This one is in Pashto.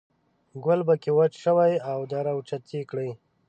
ګل په کې وچ شوی و، را اوچت یې کړ.